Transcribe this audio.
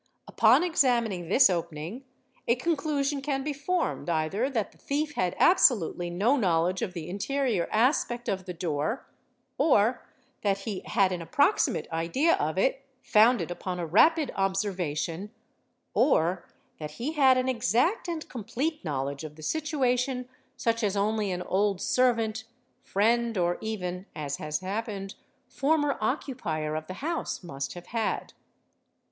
Upon xxamining this opening a conclusion can be formed either that the thief ad absolutely no knowledge of the interior aspect of the door, or that he ad an approximate idea of it, founded upon a rapid observation, or that le had an exact and complete knowledge of the situation such as ETE REWER He Pee oe) dele a ah he 6 bee Only an old servant, friend, or even, as has happened, former occupier { the house must have had.